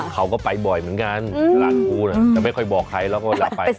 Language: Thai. เขาก็ไปบ่อยเหมือนกันตลาดภูแต่ไม่ค่อยบอกใครแล้วก็เวลาไป